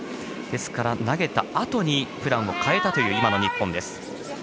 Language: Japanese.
ですから、投げたあとにプランを変えたという今の日本です。